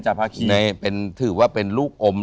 นี่ก็คือเป็นหนึ่งในเป็นจาพภาขี